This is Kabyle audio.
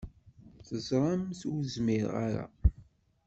Teẓrimt ur zmireɣ ara.